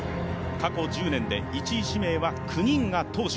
過去１０年で１位指名は９人が投手。